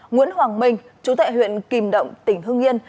nguyễn hoàng minh chú tệ huyện kìm động tỉnh hương yên